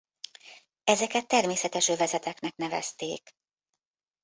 Ezeket természetes övezeteknek nevezték.